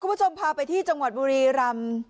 คุณผู้ชมพาไปที่จังหวัดบุรีรำ